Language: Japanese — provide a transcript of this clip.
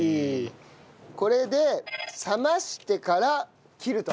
これで冷ましてから切ると。